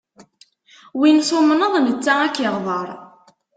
Win tumneḍ, netta a k-iɣder.